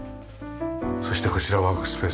そしてこちらワークスペース。